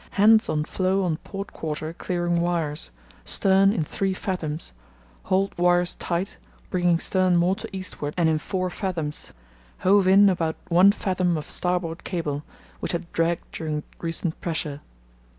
—Hands on floe on port quarter clearing wires; stern in three fathoms; hauled wires tight, bringing stern more to eastward and in four fathoms; hove in about one fathom of starboard cable, which had dragged during recent pressure.